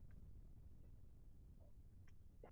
Ixtiyoring o’zingda